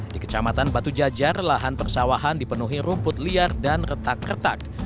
di kecamatan batu jajar lahan persawahan dipenuhi rumput liar dan retak retak